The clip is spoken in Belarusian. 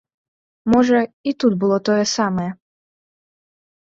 Можа, і тут было тое самае.